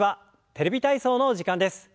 「テレビ体操」の時間です。